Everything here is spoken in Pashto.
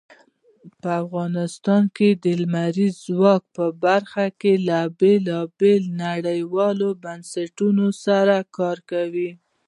افغانستان د لمریز ځواک په برخه کې له بېلابېلو نړیوالو بنسټونو سره کار کوي.